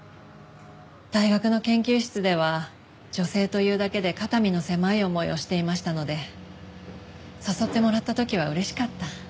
大学の研究室では女性というだけで肩身の狭い思いをしていましたので誘ってもらった時は嬉しかった。